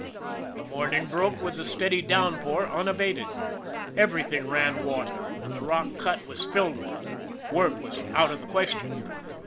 The morning broke with the steady downpour un abated. Everything ran water, and the rock cut was rilled with it. Work was out of the question.